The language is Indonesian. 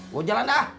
gue jalan dah